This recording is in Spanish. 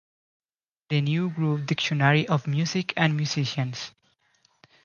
The New Grove Dictionary of Music and Musicians.